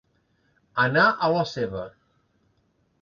Anar a la seva.